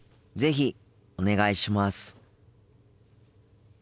是非お願いします。